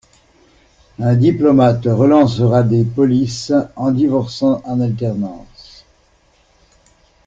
Un diplomate relancera des polices en divorçant en alternance.